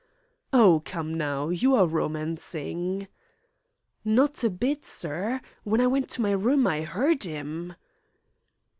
"Oh, come now. You are romancing." "Not a bit, sir. When I went to my room I er 'eard 'im."